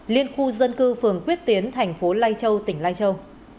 liên khu dân cư phường quyết tiến thành phố lai châu tỉnh lai châu